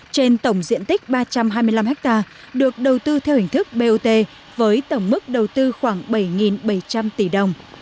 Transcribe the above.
trên tổng diện tích ba trăm hai mươi năm ha được đầu tư theo hình thức bot với tổng mức đầu tư khoảng bảy bảy trăm linh tỷ đồng